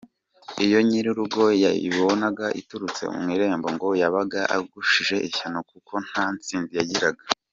Iyo nyirurugo yayibonaga iturutse mu irembo ngo yabaga agushije ishyano kuko nta ntsinzi yagiraga.